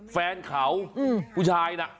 แฟนเขาผู้ชายน่ะ